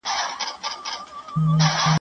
هغه وخت چې حساب ورکونه وي، فساد کمېږي.